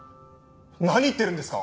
何言ってるんですか？